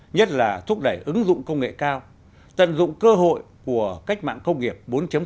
nhất là thúc đẩy ứng dụng công nghệ cao tận dụng cơ hội của cách mạng công nghiệp bốn